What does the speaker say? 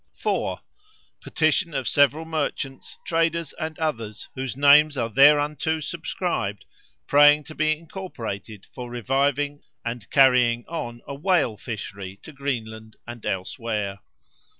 "4. Petition of several merchants, traders, and others, whose names are thereunto subscribed, praying to be incorporated for reviving and carrying on a whale fishery to Greenland and elsewhere.